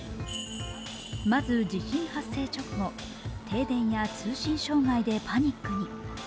まず地震発生直後、停電や通信障害でパニックに。